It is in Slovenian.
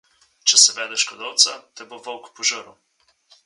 Če se vedeš kot ovca, te bo volk požrl.